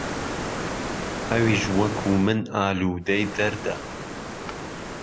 ئهویش وهکوو من ئالوودهی دهرده